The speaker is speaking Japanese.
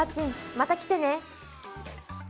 また来てね